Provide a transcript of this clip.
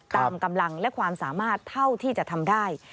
ตามกำลังและความสามารถเท่าที่จะทำได้